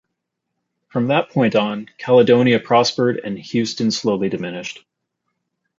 From that point on, Caledonia prospered, and Houston slowly diminished.